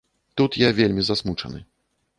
Тут я вельмі засмучаны.